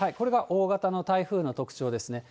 これが大型の台風の特徴ですね。